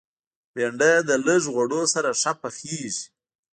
بېنډۍ د لږ غوړو سره ښه پخېږي